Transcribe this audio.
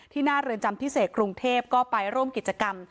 หน้าเรือนจำพิเศษกรุงเทพก็ไปร่วมกิจกรรม